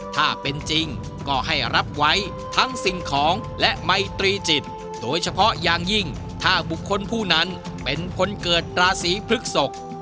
ถ้าเป็นจริงก็ให้รับไว้ทั้งสิ่งของและไมตรีจิตโดยเฉพาะอย่างยิ่งถ้าบุคคลผู้นั้นเป็นคนเกิดราศีพฤกษก